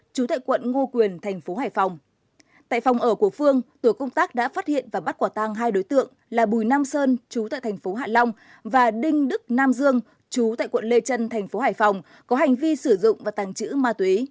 công tác đã phát hiện và bắt quả tăng hai đối tượng là bùi nam sơn chú tại thành phố hạ long và đinh đức nam dương chú tại quận lê trân thành phố hải phòng có hành vi sử dụng và tàng trữ ma túy